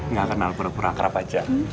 nggak kenal pura pura akrab aja